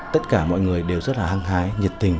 tất cả mọi người đều rất là hăng hái nhiệt tình